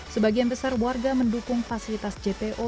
sebagian besar warga mendukung fasilitas jpo